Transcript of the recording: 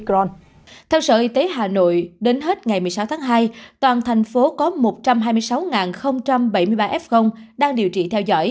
gần chín mươi bảy f tại hà nội ở thế nhẹ